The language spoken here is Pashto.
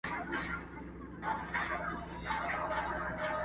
او خزان یې خدایه مه کړې د بهار تازه ګلونه!.